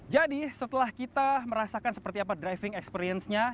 jadi setelah kita merasakan seperti apa driving experience nya